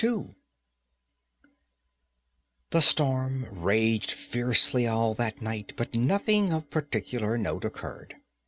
II The storm raged fiercely all that night, but nothing of particular note occurred.